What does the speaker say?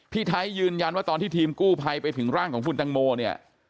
พี่ไทยยืนยันตอนที่ทีมกู้ไพไปถึงร่างของคุณเอ็งโมเนี่ย